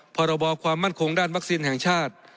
พรบความมั่นคงด้านวัคซีนแห่งชาติ